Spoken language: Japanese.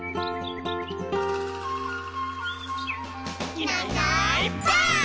「いないいないばあっ！」